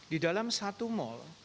di dalam satu mal